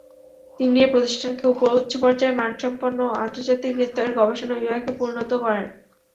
তিনি এ প্রতিষ্ঠানকে উচ্চপর্যায়ের মানসম্পন্ন আন্তর্জাতিক স্তরের গবেষণা বিভাগে পরিণত করেন।